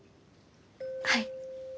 はい。